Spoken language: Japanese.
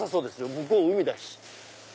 向こう海だし。